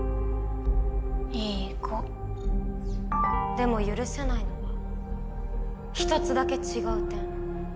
でも許せないのは１つだけ違う点。